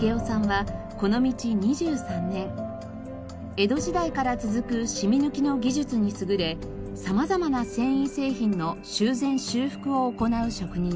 江戸時代から続くしみ抜きの技術に優れ様々な繊維製品の修繕修復を行う職人です。